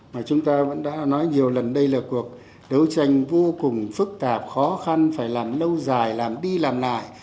mà chúng ta vẫn đã nói nhiều lần đây là cuộc đấu tranh vô cùng phức tạp khó khăn phải làm lâu dài làm đi làm lại